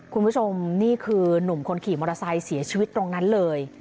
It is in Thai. คุณผู้ชมนี่คือนุ่มคนขี่มอเตอร์ไซค์เสียชีวิตตรงนั้นเลย